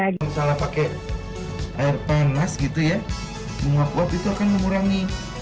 misalnya pakai air panas mengakuap itu akan mengurangi